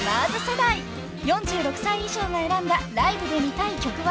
［４６歳以上が選んだライブで見たい曲は］